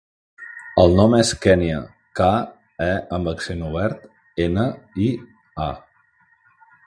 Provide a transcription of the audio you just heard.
El nom és Kènia: ca, e amb accent obert, ena, i, a.